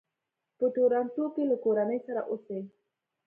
په ټورنټو کې له کورنۍ سره اوسي.